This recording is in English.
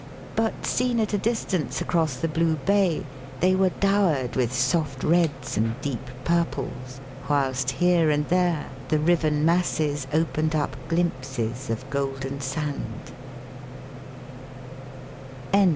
But seen at a distance across the blue bay, they were dowered with soft reds and deep purples, whilst here and there the riven masses opened up glimpses of golden sand.